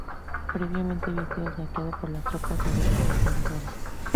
Previamente había sido saqueado por las tropas liberales invasoras.